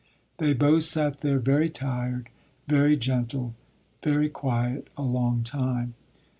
They both sat there very tired, very gentle, very quiet, a long time.